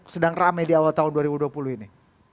sedang rame di awal tahun dua ribu dua puluh ini